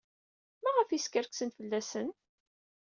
Maɣef ay skerksen fell-asen?